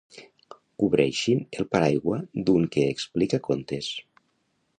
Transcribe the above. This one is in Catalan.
Cobreixin el paraigua d'un que explica contes.